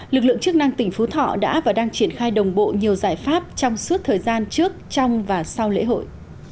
lực lượng chức năng tỉnh phú thọ đã và đang triển khai đồng bộ nhiều giải pháp trong suốt thời gian trước trong và sau lễ hội